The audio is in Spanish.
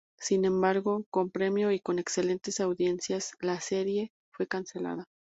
Sin embargo, con premio y con excelentes audiencias, la serie fue cancelada.